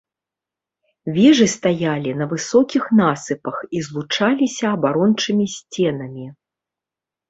Вежы стаялі на высокіх насыпах і злучаліся абарончымі сценамі.